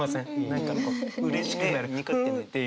何かこううれしくなるニコっていう。